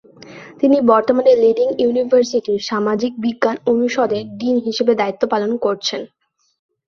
তিনি বর্তমানে লিডিং ইউনিভার্সিটির সামাজিক বিজ্ঞান অনুষদের ডীন হিসেবে দায়িত্ব পালন করছেন।